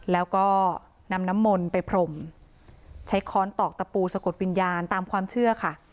แล้วก็นำน้ำมนต์ไปพรมใช้ค้อนตอกตะปูสะกดวิญญาณตามความเชื่อค่ะ